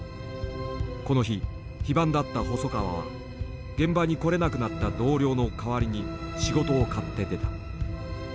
この日非番だった細川は現場に来れなくなった同僚の代わりに仕事を買って出た。